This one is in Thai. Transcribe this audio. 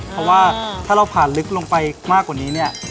เพราะว่าถ้าเราผ่านลึกลงไปมากกว่านี้เนี่ย